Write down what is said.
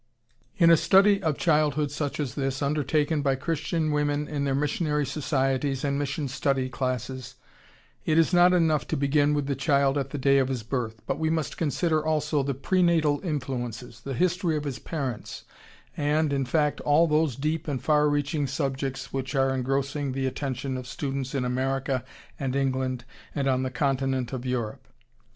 ] In a study of Childhood such as this, undertaken by Christian women in their missionary societies and mission study classes, it is not enough to begin with the child at the day of his birth, but we must consider also the pre natal influences, the history of his parents, and, in fact, all those deep and far reaching subjects which are engrossing the attention of students in America and England and on the Continent of Europe.